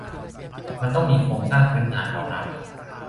มันต้องมีโครงสร้างพื้นฐานรองรับ